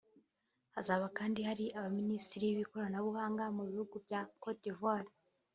Hazaba kandi hari abaminisitiri b’ikoranabuhanga mu bihugu bya Cote d’Ivoire